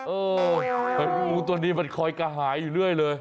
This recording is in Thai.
เห็นงูตัวนี้มันคอยกระหายอยู่เรื่อยเลย